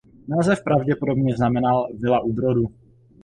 Název pravděpodobně znamenal „vila u brodu“.